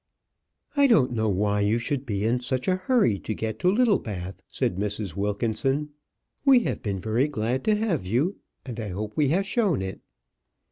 "I don't know why you should be in such a hurry to get to Littlebath," said Mrs. Wilkinson. "We have been very glad to have you; and I hope we have shown it."